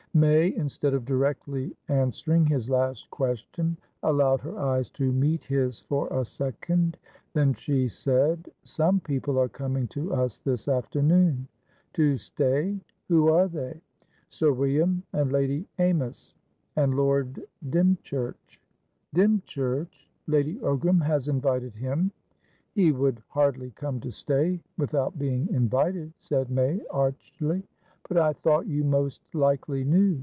May, instead of directly answering his last question, allowed her eyes to meet his for a second. Then she said: "Some people are coming to us this afternoon." "To stay? Who are they?" "Sir William and Lady Amysand Lord Dymchurch" "Dymchurch! Lady Ogram has invited him?" "He would hardly come to stay without being invited," said May, archly. "But I thought you most likely knew.